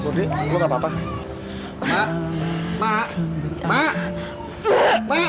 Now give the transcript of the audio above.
berhenti murni enggak papa apa